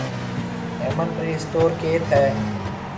هيَمن رِي اسٽور ڪيٿ هيَ؟